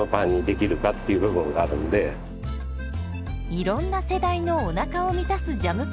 いろんな世代のおなかを満たすジャムパン。